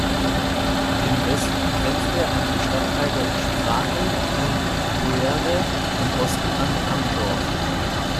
Im Westen grenzt er an die Stadtteile Sprakel und Coerde, im Osten an Handorf.